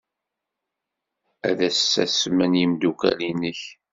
Ad asmen yimeddukal-nnek.